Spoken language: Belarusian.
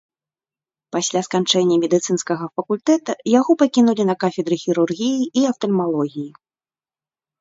Пасля сканчэння медыцынскага факультэта яго пакінулі на кафедры хірургіі і афтальмалогіі.